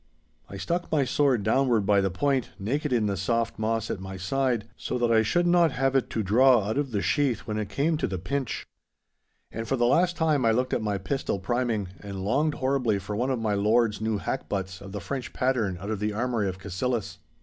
I stuck my sword downward by the point, naked in the soft moss at my side, so that I should not have it to draw out of the sheath when it came to the pinch. And for the last time I looked at my pistol priming, and longed horribly for one of my lord's new hackbutts of the French pattern out of the armoury of Cassillis.